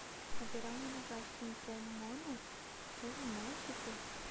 Haverá uma nevasca em Pomona? Novo México?